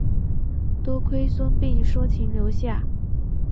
多亏孙膑说情留下。